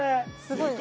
すごい。